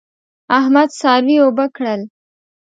احمد څاروي اوبه کړل.